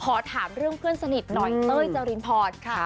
ขอถามเรื่องเพื่อนสนิทหน่อยเต้ยจรินพรค่ะ